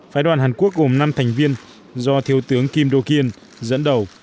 phái đoàn hàn quốc gồm năm thành viên do thiếu tướng kim đô kiên dẫn đầu